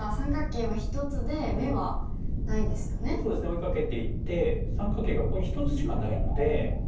追いかけていって三角形がここに１つしかないので。